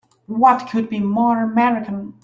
What could be more American!